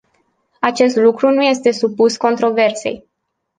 Acest lucru nu este supus controversei.